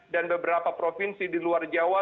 dan beberapa provinsi di luar jawa